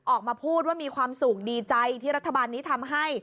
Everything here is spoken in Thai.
ออกมาพูดว่ามีความสุขดีใจที่รัฐบาลนี้ทำให้